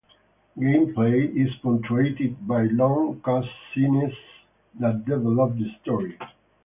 Gameplay is punctuated by long cutscenes that develop the story.